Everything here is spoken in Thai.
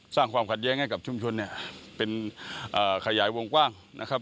สร้างความขัดแย้งให้กับชุมชนเป็นขยายวงกว้าง